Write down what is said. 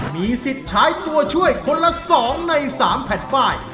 มีสิทธิ์ใช้ตัวช่วยคนละ๒ใน๓แผ่นป้าย